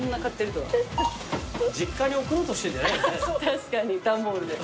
確かに段ボールで。